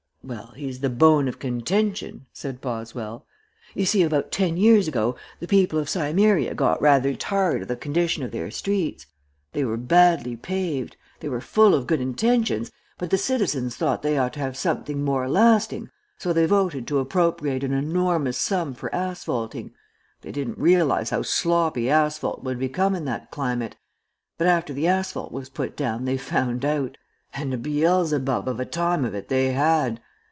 "Well he's the bone of contention," said Boswell. "You see, about ten years ago the people of Cimmeria got rather tired of the condition of their streets. They were badly paved. They were full of good intentions, but the citizens thought they ought to have something more lasting, so they voted to appropriate an enormous sum for asphalting. They didn't realize how sloppy asphalt would become in that climate, but after the asphalt was put down they found out, and a Beelzebub of a time of it they had.